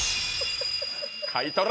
買い取れ！